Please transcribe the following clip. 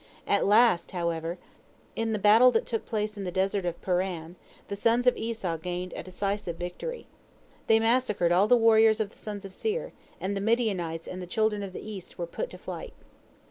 At last, however, in the battle that took place in the desert of Paran, the sons of Esau gained a decisive victory. They massacred all the warriors of the sons of Seir, and the Midianites and the children of the East were put to flight.